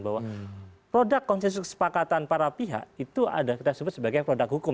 bahwa produk konsensus kesepakatan para pihak itu ada kita sebut sebagai produk hukum